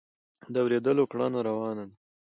د اورېدلو کړنه روانه ده.